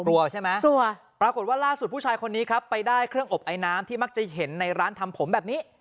กลัวใช่ไหมกลัวปรากฏว่าล่าสุดผู้ชายคนนี้ครับไปได้เครื่องอบไอน้ำที่มักจะเห็นในร้านทำผมแบบนี้